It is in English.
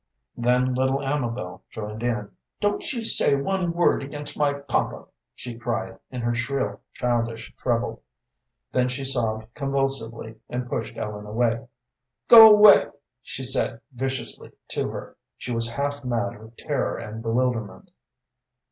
Then little Amabel joined in. "Don't you say one word against my papa!" she cried, in her shrill, childish treble. Then she sobbed convulsively, and pushed Ellen away. "Go away!" she said, viciously, to her. She was half mad with terror and bewilderment.